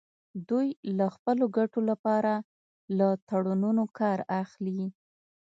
دوی د خپلو ګټو لپاره له تړونونو کار اخلي